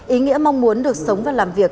ý nghĩa mong muốn được sống và làm việc